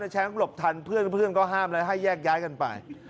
แชมป์หลบทันเพื่อนก็ห้ามแล้วให้แยกย้ายกันไป